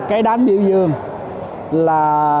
tôi nghĩ rằng tôi nghĩ rằng tôi nghĩ rằng tôi nghĩ rằng tôi nghĩ rằng